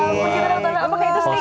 oh ya apa gitu